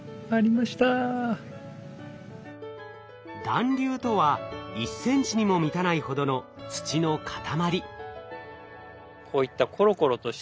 団粒とは１ｃｍにも満たないほどの土の塊。